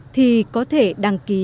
thì có thể đăng ký xét tuyển sớm